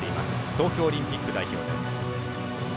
東京オリンピック代表です。